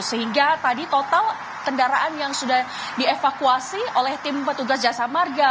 sehingga tadi total kendaraan yang sudah dievakuasi oleh tim petugas jasa marga